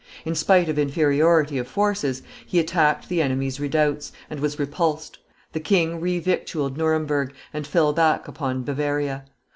In spite of inferiority of forces, he attacked the enemy's redoubts, and was repulsed; the king revictualled Nuremberg, and fell back upon Bavaria.